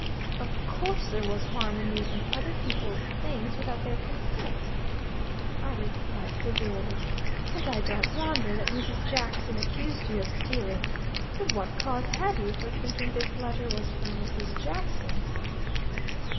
"Of course there was harm in using other people's things without their consent," I replied, severely. "And I don't wonder that Mrs. Jackson accused you of stealing. But what cause had you for thinking this letter was from Mrs. Jackson?"